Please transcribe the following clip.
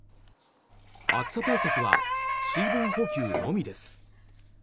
暑さ対策は水分補給のみです。